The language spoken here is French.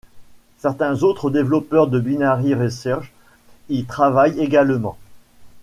Certains autres développeurs de Binary Research y travaillent également.